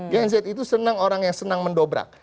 gen z itu senang orang yang senang mendobrak